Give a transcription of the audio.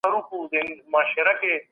شخصیت سته.